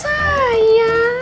itu kayanya memang